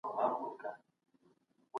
اسلامي شریعت د شخصي ملکیت ساتندوی دی.